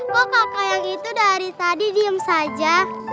kok kakak yang itu dari tadi diem saja